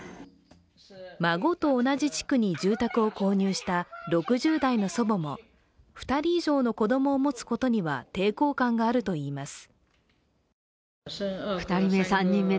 孫と同じ地区に住宅を購入した６０代の祖母も２人以上の子供を持つことには抵抗感があるといいます。